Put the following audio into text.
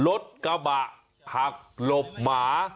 รถกระบะหักหลบหมา